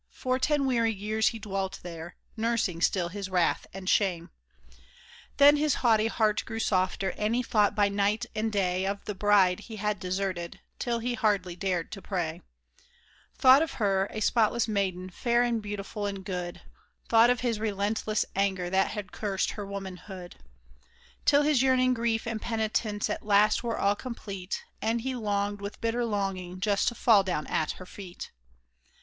For ten weary years he dwelt there, nursing still his wrath and shame. Then his haughty heart grew softer, and he thought by night and day Of the bride he had deserted, till he hardly dared to pray — Thought of her, a spotless maiden, fair and beautiful and good; Thought of his relentless anger that had cursed her woman hood ; Till his yearning grief and penitence at last were all com plete, And he longed, with bitter longing, just to fall down at her feet.